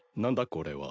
これは。